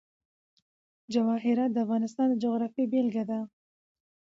جواهرات د افغانستان د جغرافیې بېلګه ده.